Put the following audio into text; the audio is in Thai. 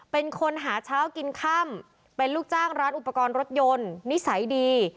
เป็นคนหาเช้ากินค่ำเป็นลูกจ้างร้านอุปกรณ์รถยนต์นิสัยดี